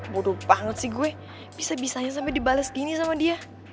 waduh banget sih gue bisa bisanya sampai dibales gini sama dia